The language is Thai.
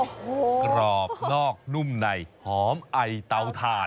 โอ้โฮกรอบนอกนุ่มในหอมไอเต้าทาน